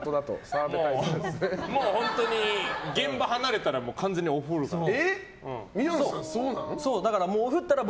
本当に現場を離れたら完全にオフるから。